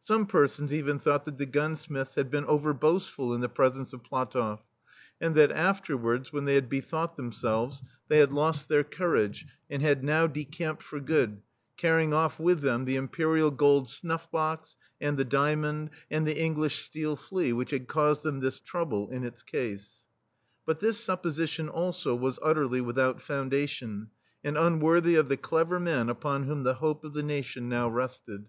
Some persons even thought that the gunsmiths had been over boastful in the presence of PlatofF, and that after wards, when they had bethought them selves, they had lost their courage, and had now decamped for good, carrying off with them the imperial gold snuff box, and the diamond, and the English steel flea, which had caused them this trouble, in its case. But this supposition, also, was utterly without foundation, and unworthy of the clever men upon whom the hope of the nation now rested.